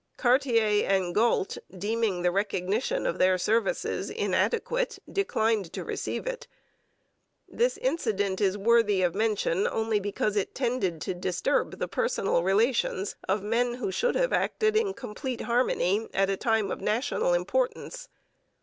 Cartier and Galt, deeming the recognition of their services inadequate, declined to receive it. This incident is only worthy of mention because it tended to disturb the personal relations of men who should have acted in complete harmony at a time of national importance.